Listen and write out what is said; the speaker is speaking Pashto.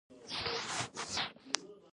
زه په دوبۍ کې د یوه رستورانت ملاتړی یم.